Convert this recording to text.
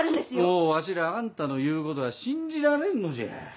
もうわしらあんたの言うことは信じられんのじゃ！